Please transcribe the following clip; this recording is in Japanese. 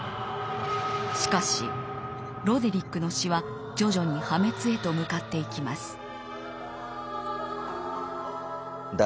しかしロデリックの詩は徐々に破滅へと向かっていきます。